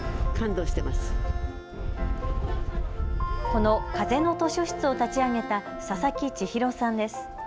この風の図書室を立ち上げた笹木千尋さんです。